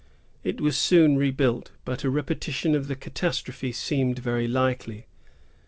It was soon rebuilt, but a repetition of the catastrophe seemed very likely.